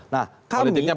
nah kalau kami